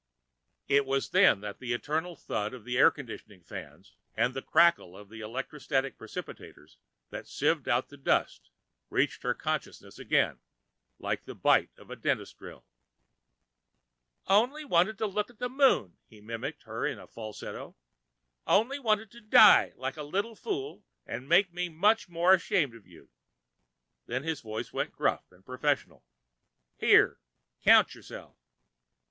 It was then that the eternal thud of the air conditioning fans and the crackle of the electrostatic precipitators that sieved out the dust reached her consciousness again like the bite of a dentist's drill. "Only wanted to look at the Moon!" he mimicked her in falsetto. "Only wanted to die like a little fool and make me that much more ashamed of you!" Then his voice went gruff and professional. "Here, count yourself."